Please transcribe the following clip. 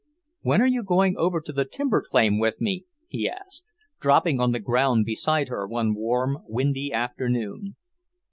"When are you going over to the timber claim with me?" he asked, dropping on the ground beside her one warm, windy afternoon.